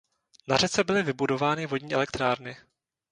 Na řece byly vybudovány vodní elektrárny.